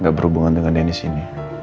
gak berhubungan dengan deni sini